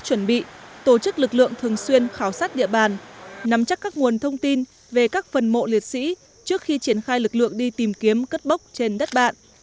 chuẩn bị tổ chức lực lượng thường xuyên khảo sát địa bàn nắm chắc các nguồn thông tin về các phần mộ liệt sĩ trước khi triển khai lực lượng đi tìm kiếm cất bốc trên đất bạn